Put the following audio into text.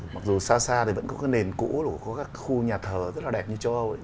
mặc dù xa xa thì vẫn có cái nền cũ có các khu nhà thờ rất là đẹp như châu âu ấy